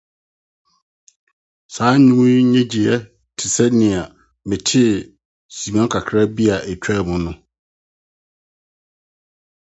Saa dwom yi nnyigyei te sɛ nea metee simma kakraa bi a atwam no.